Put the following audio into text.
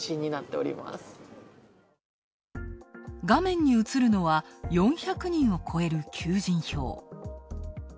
画面に映るのは４００人を超える求人票。